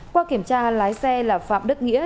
qua kiểm tra lái xe là phạm đức nghĩa